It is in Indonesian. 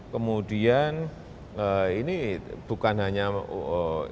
kemudian ini bukan hanya yang berkaitan